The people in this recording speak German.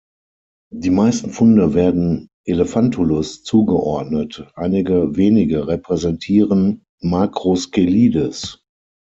Die meisten Funde werden "Elephantulus" zugeordnet, einige wenige repräsentieren "Macroscelides".